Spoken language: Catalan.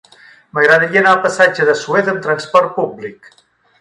M'agradaria anar al passatge de Suez amb trasport públic.